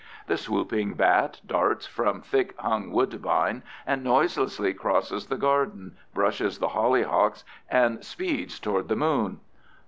The swooping bat darts from thick hung woodbine and noiselessly crosses the garden, brushes the hollyhocks, and speeds toward the moon.